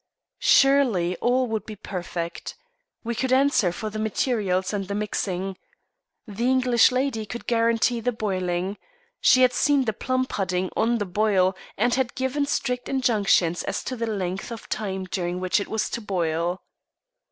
Surely all would be perfect. We could answer for the materials and the mixing. The English lady could guarantee the boiling. She had seen the plum pudding "on the boil," and had given strict injunctions as to the length of time during which it was to boil.